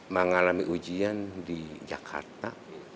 mengalami ujian di jakarta